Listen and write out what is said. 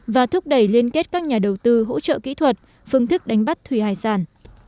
và thúc đẩy liên kết các nhà đầu tư hỗ trợ kỹ thuật phương thức đánh bắt thủy hải sản